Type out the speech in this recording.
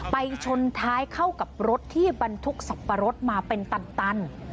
ชนท้ายเข้ากับรถที่บรรทุกสับปะรดมาเป็นตัน